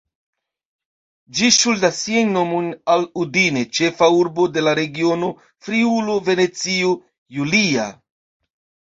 Ĝi ŝuldas sian nomon al Udine, ĉefa urbo de la regiono Friulo-Venecio Julia.